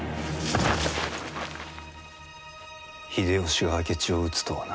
秀吉が明智を討つとはな。